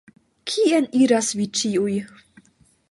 Kien iras vi ĉiuj?